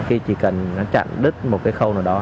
khi chỉ cần nó chặn đứt một cái khâu nào đó